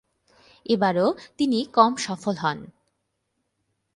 এবারও তিনি কম সফল হন।